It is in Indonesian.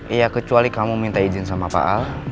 iya kecuali kamu minta izin sama pak al